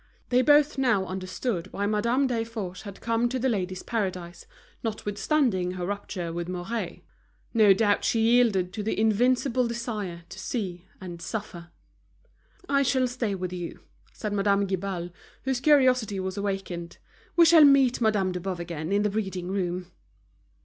They both now understood why Madame Desforges had come to The Ladies' Paradise notwithstanding her rupture with Mouret. No doubt she yielded to the invincible desire to see and to suffer. "I shall stay with you," said Madame Guibal, whose curiosity was awakened. "We shall meet Madame de Boves again in the reading room."